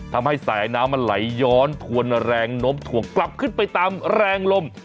ทำให้สายน้ำมันไหลย้อนทวนแรงโน้มถ่วงกลับขึ้นไปตามแรงลม